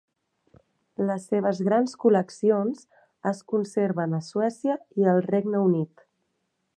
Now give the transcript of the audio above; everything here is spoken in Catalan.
Les seves grans col·leccions es conserven a Suècia i al Regne Unit.